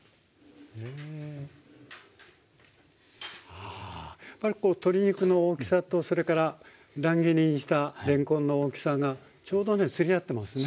ああやっぱりこう鶏肉の大きさとそれから乱切りにしたれんこんの大きさがちょうどねつり合ってますね。